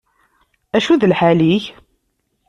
Acu d lḥal-ik?